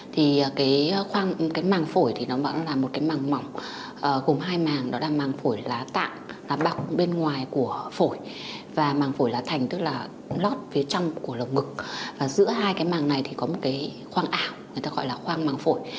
thưa bác sĩ tràn dịch măng phổi là gì và biểu hiện của bệnh lý này sẽ thông qua những dấu hiệu nhận biết như thế nào